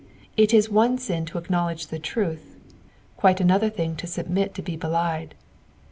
It is one sin to acknowledge the truth, quite another thing to submit to be belied.